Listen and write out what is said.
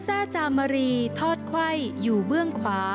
ฐานพระกอลกับพระตวรรษฎร์วิชชะนีทอดไข้อยู่เบื้องซ้าย